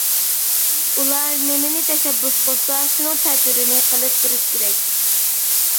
ئۇلار نېمىنى تەشەببۇس قىلسا شۇنىڭ تەتۈرىنى قىلىپ تۇرۇش كېرەك.